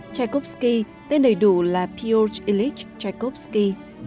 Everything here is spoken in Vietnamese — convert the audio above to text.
tchaikovsky tên đầy đủ là piotr ilyich tchaikovsky